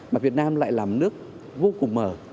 mà việt nam lại làm nước vô cùng mở